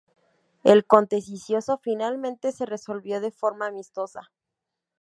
El contencioso finalmente se resolvió de forma amistosa.